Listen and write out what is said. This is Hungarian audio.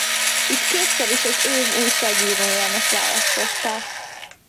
Itt kétszer is az év újságírójának választották.